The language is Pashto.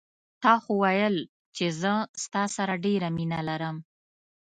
تا خو ویل چې زه ستا سره ډېره مینه لرم